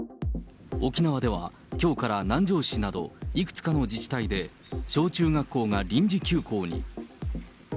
沖縄では、きょうから南城市などいくつかの自治体で、小中学校が臨時休校に。